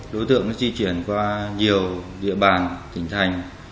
đối tượng nó di chuyển qua nhiều địa bàn tỉnh thành